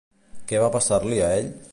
Què va passar-li a ell?